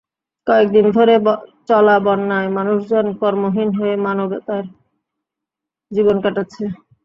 কয়েক দিন ধরে চলা বন্যায় মানুষজন কর্মহীন হয়ে মানবেতর জীবন কাটাচ্ছে।